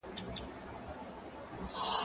زه ځواب نه ليکم!.!.